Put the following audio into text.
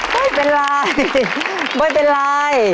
ไม่เป็นไรไม่เป็นไร